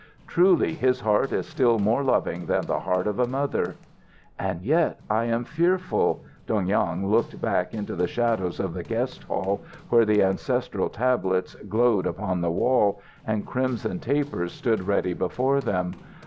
Truly his heart is still more loving than the heart of a mother." "And yet I am fearful " Dong Yung looked back into the shadows of the guest hall, where the ancestral tablets glowed upon the wall, and crimson tapers stood ready before them.